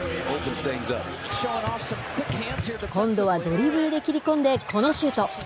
今度はドリブルで切り込んでこのシュート。